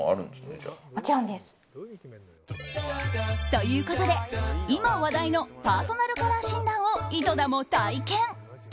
ということで、今話題のパーソナルカラー診断を井戸田も体験。